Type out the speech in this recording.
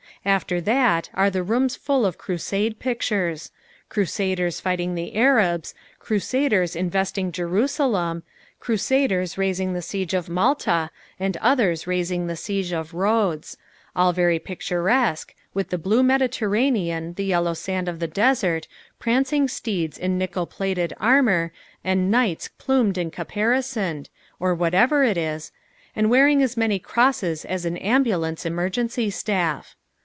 After that there are rooms full of crusade pictures crusaders fighting the Arabs, crusaders investing Jerusalem, crusaders raising the siege of Malta and others raising the siege of Rhodes; all very picturesque, with the blue Mediterranean, the yellow sand of the desert, prancing steeds in nickel plated armour and knights plumed and caparisoned, or whatever it is, and wearing as many crosses as an ambulance emergency staff.